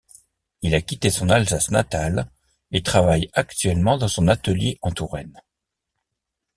Il a quitté son Alsace natale et travaille actuellement dans son atelier en Touraine.